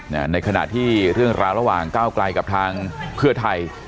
ในขณะที่เรื่องราวระหว่างก้าวไกลกับทางเพื่อไทย